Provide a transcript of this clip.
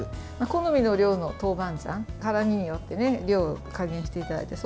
好みの量の豆板醤、辛みによって量を加減していただいて